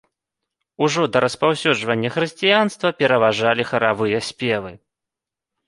Ужо да распаўсюджвання хрысціянства пераважалі харавыя спевы.